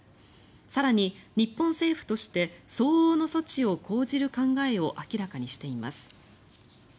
更に、日本政府として相応の措置を講じる考えを明らかにしています。